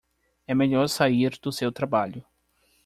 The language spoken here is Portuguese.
É melhor sair do seu trabalho